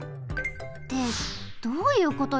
ってどういうことよ？